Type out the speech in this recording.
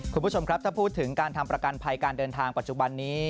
คุณผู้ชมครับถ้าพูดถึงการทำประกันภัยการเดินทางปัจจุบันนี้